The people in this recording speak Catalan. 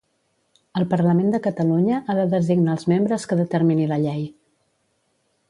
El Parlament de Catalunya ha de designar els membres que determini la llei.